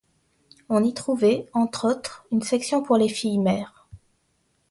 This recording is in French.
On y trouvait, entre autres, une section pour les filles-mères.